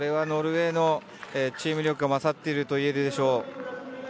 ノルウェーのチーム力が勝っているといえるでしょう。